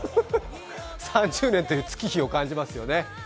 ３０年という月日を感じますよね。